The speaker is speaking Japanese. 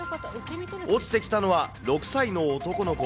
落ちてきたのは６歳の男の子。